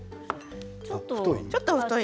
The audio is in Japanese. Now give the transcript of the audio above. ちょっと太い？